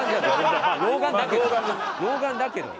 老眼だけど。